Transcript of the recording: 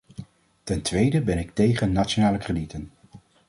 Ten tweede ben ik tegen nationale kredieten.